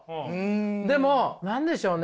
でも何でしょうね？